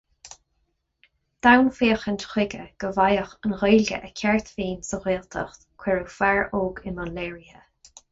D'fhonn féachaint chuige go bhfaigheadh an Ghaeilge a ceart féin sa Ghaeltacht cuireadh fear óg i mbun léirithe.